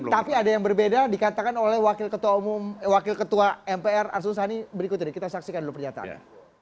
tapi ada yang berbeda dikatakan oleh wakil ketua mpr arsul sani berikut ini kita saksikan dulu pernyataannya